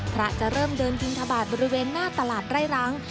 จะเริ่มเดินบินทบาทบริเวณหน้าตลาดไร่รั้ง